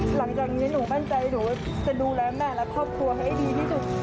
หลังจากนี้หนูมั่นใจหนูจะดูแลแม่และครอบครัวให้ดีที่สุด